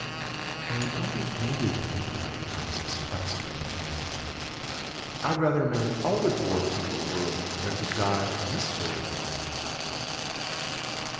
"Oh, don't be angry with me," cried the Princess, clasping her hands. "I'd rather marry all the dwarfs in the world than die in this horrible way."